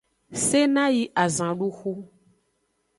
Sena yi azanduxu.